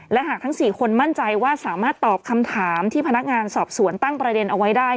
และหากทั้ง๔คนมั่นใจว่าสามารถตอบคำถามที่พนักงานสอบสวนตั้งประเด็นเอาไว้ได้